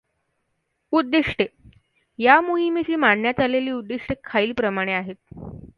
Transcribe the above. उद्दिष्टे या मोहिमेची मांडण्यात आलेली उद्दिष्टे खालीलप्रमाणे आहेत.